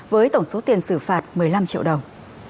với tổng số tiền xử phạt một mươi năm triệu đồng